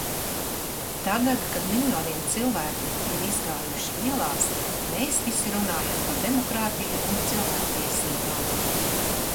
Tagad, kad miljoniem cilvēku ir izgājuši ielās, mēs visi runājam par demokrātiju un cilvēktiesībām.